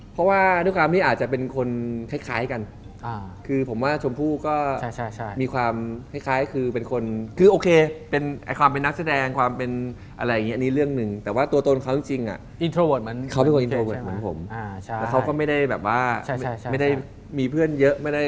อยากจะพัฒนามันขึ้นเรื่อย